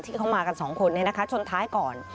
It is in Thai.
ที่เขามากันสองคนชนท้ายก่อน